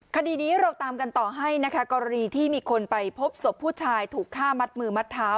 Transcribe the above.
คดีนี้เราตามกันต่อให้นะคะกรณีที่มีคนไปพบศพผู้ชายถูกฆ่ามัดมือมัดเท้า